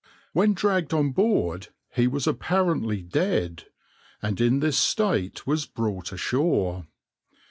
When dragged on board, he was apparently dead, and in this state was brought ashore.